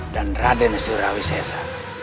dan raden sri rawi sessa